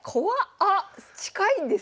あっ近いんです。